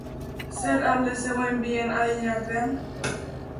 Zer alde zegoen bien adinen artean?